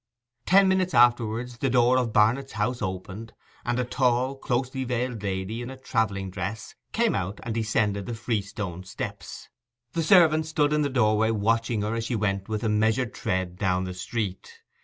Ten minutes afterwards the door of Barnet's house opened, and a tall closely veiled lady in a travelling dress came out and descended the freestone steps. The servant stood in the doorway watching her as she went with a measured tread down the street.